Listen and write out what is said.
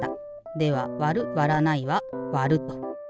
ではわるわらないは「わる」と。